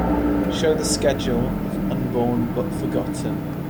show the schedule of Unborn but Forgotten